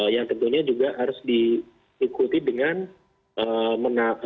yang tentunya juga harus diikuti dengan